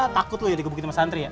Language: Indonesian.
takut lu jadi gubuk itu sama santri ya